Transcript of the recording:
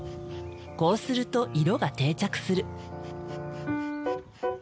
こうすると色が定着する。